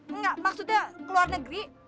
enggak maksudnya ke luar negeri